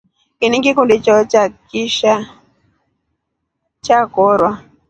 Ini ngikundi chao kishaa chakorwa.